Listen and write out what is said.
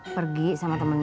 pergi sama temennya